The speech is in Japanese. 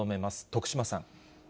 徳島さん。